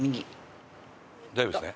大丈夫ですね？